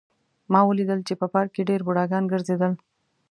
ما ولیدل چې په پارک کې ډېر بوډاګان ګرځېدل